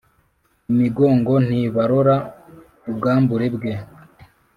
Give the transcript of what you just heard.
imigongo ntibarora ubwambure bwe